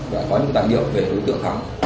và có những đặc điểm về đối tượng hắn